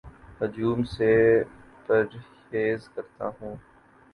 ہجوم سے پرہیز کرتا ہوں